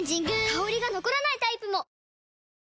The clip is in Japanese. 香りが残らないタイプも！